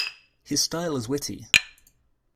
His style is witty.